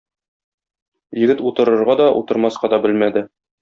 Егет утырырга да, утырмаска да белмәде.